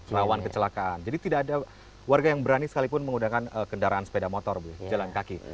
rawan kecelakaan jadi tidak ada warga yang berani sekalipun menggunakan kendaraan sepeda motor bu jalan kaki